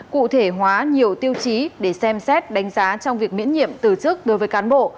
cụ thể hóa nhiều tiêu chí để xem xét đánh giá trong việc miễn nhiệm từ chức đối với cán bộ